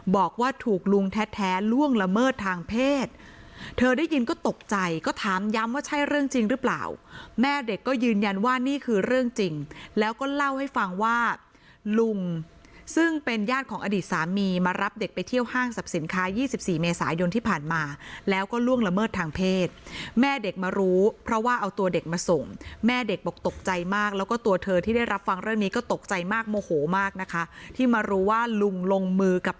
บอกว่าถูกลุงแท้แท้ล่วงละเมิดทางเพศเธอได้ยินก็ตกใจก็ถามย้ำว่าใช่เรื่องจริงหรือเปล่าแม่เด็กก็ยืนยันว่านี่คือเรื่องจริงแล้วก็เล่าให้ฟังว่าลุงซึ่งเป็นญาติของอดีตสามีมารับเด็กไปเที่ยวห้างสับสินค้ายี่สิบสี่เมษายนที่ผ่านมาแล้วก็ล่วงละเมิดทางเพศแม่เด็กมารู้เพราะว่าเอ